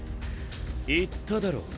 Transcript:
言っただろ。